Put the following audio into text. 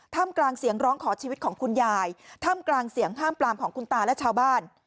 มกลางเสียงร้องขอชีวิตของคุณยายท่ามกลางเสียงห้ามปลามของคุณตาและชาวบ้าน